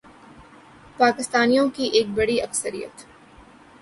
پاکستانیوں کی ایک بڑی اکثریت